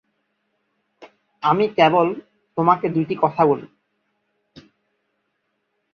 আমি কেবল তোমাকে দুটি কথা বলি।